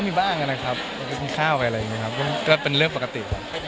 มีบ้างนะครับไปกินข้าวไปอะไรอย่างนี้ครับก็เป็นเรื่องปกติครับ